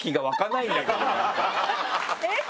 えっ？